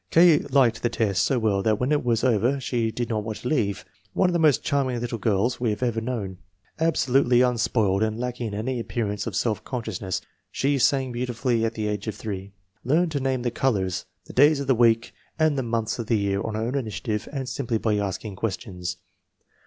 K. liked the test so well that when it was over she did not want to leave. One of the most charming little girls we have ever known. Absolutely unspoiled and lacking in any appearance of self consciousness. She sang beauti fully at the age of 3. Learned to name the colors, the days of the week and the months of the year on her own initiative and simply by asking questions.